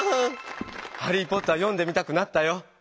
「ハリー・ポッター」読んでみたくなったよ。